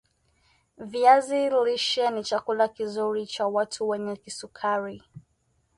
viazi lishe ni chakula kizuri kwa watu wenye kisukari